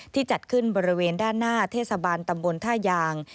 จัดขึ้นบริเวณด้านหน้าเทศบาลตำบลท่ายาง